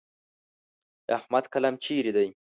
د احمد قلم چیرې دی؟